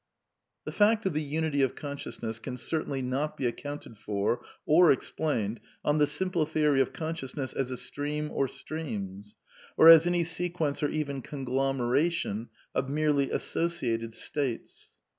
The fact of the unity of consciousness can certainly not be accounted for or explained on the simple theory of con sciousness as a stream or streams, or as any sequence or even conglomeration of merely " associated " states.